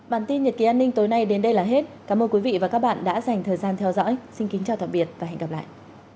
cảnh sát chữa cháy tỉnh bình dương đang làm rõ nguyên nhân của vụ hỏa hoạn